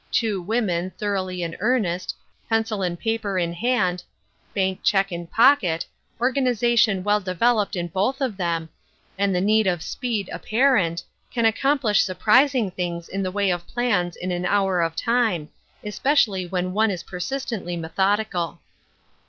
Two women, thorouglily in eiiinest, pencil and paper A Sister Needed, 819 in hand, bank check in pocket, organization well developed in both of them, and the need of speed apparent, can accomplish surprising things in the way of plans in an hour of time, espe cially when one is persistently methodical.